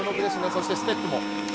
そして、ステップも。